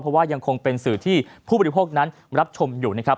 เพราะว่ายังคงเป็นสื่อที่ผู้บริโภคนั้นรับชมอยู่นะครับ